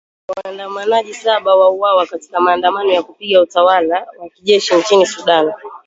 Waandamanaji saba wauawa katika maandamano ya kupinga utawala wa kijeshi nchini Sudan